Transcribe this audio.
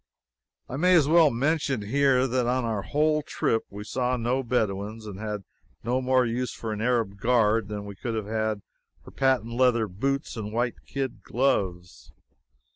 I may as well mention here that on our whole trip we saw no Bedouins, and had no more use for an Arab guard than we could have had for patent leather boots and white kid gloves.